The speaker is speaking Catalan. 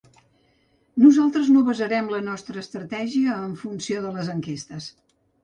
Nosaltres no basarem la nostra estratègia en funció de les enquestes.